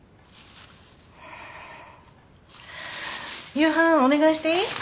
夕飯お願いしていい？